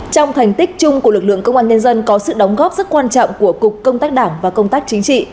trong thành tích chung của lực lượng công an nhân dân có sự đóng góp rất quan trọng của cục công tác đảng và công tác chính trị